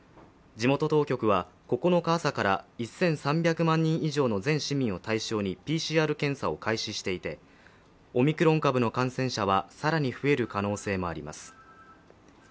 地元当局は９日朝から１３００万人以上の全市民を対象にＰＣＲ検査を開始していてオミクロン株の感染者は更に増える可能性もあります。